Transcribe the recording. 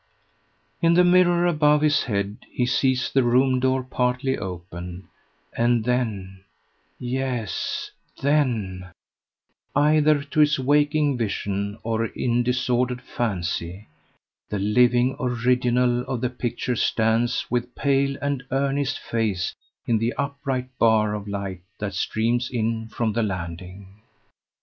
In the mirror above his head he sees the room door partly open, and then yes, then either to his waking vision or in disordered fancy, the living original of the picture stands with pale and earnest face in the upright bar of light that streams in from the landing.